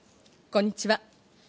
こんにちは。